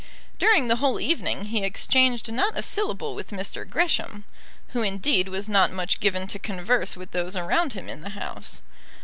During the whole evening he exchanged not a syllable with Mr. Gresham, who indeed was not much given to converse with those around him in the House.